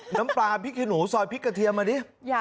น้ำปลาพริกขี้หนูซอยพริกกระเทียมมาดิ